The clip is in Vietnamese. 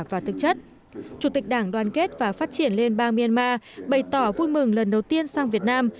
và thực chất chủ tịch đảng đoàn kết và phát triển liên bang myanmar bày tỏ vui mừng lần đầu tiên sang việt nam